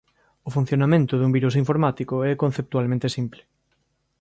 O funcionamento dun virus informático é conceptualmente simple.